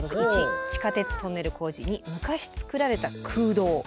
「１地下鉄・トンネル工事」「２昔作られた空洞」。